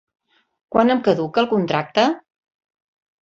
Quan em caduca el contracte?